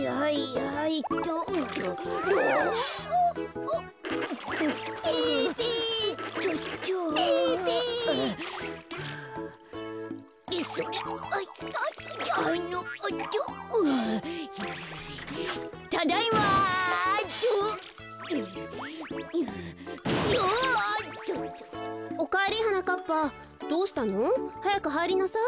はやくはいりなさい。